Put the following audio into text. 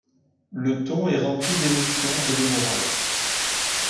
Le ton est rempli d'émotion et de morale.